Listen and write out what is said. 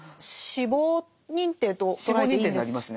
死亡認定と捉えていいんです？